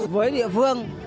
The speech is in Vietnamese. với địa phương